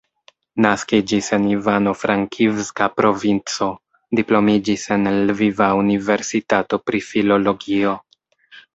Naskiĝis en Ivano-Frankivska provinco, diplomiĝis en Lviva Universitato pri filologio.